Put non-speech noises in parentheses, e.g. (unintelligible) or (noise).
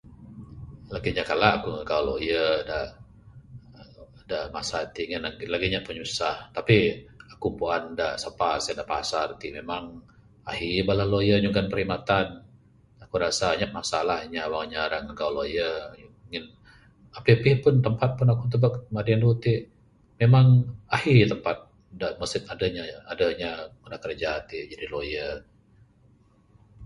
Lagi nyap kala boh magau lawyer da da masa ti lagi anyap pinyusah tapi aku puan sapa sien da pasar ti memang ahi bala lawyer nyugon perkhidmatan. Aku rasa anyap masalah inya wang inya ra magau lawyer ngin apih apih tampat pun tubek madi anu iti memang ahi tampat (unintelligible) deh lawyer adeh inya ati ngunah kerja Jadi lawyer